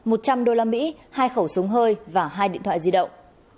một trăm linh usd hai khẩu súng hơi và hai điện thoại di động